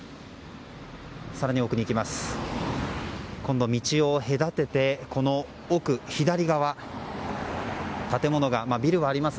更に奥に行きます。